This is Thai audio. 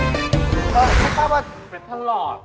เป็นท่านหลอด